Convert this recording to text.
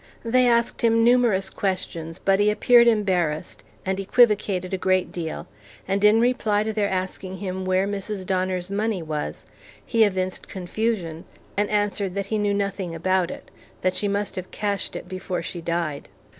They asked him numerous questions, but he appeared embarrassed, and equivocated a great deal; and in reply to their asking him where Mrs. Donner's money was, he evinced confusion, and answered that he knew nothing about it, that she must have cached it before she died.